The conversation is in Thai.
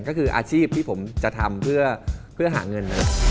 ก็คืออาชีพที่ผมจะทำเพื่อหาเงิน